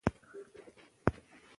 عام خلک د هغې آثار ولوستل.